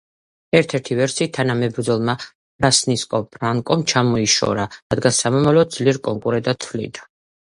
ერთ-ერთი ვერსიით, თანამებრძოლმა, ფრანსისკო ფრანკომ ჩამოიშორა, რადგან სამომავლოდ ძლიერ კონკურენტად თვლიდა.